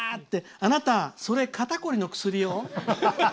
「あなた、それ肩こりの薬よ」。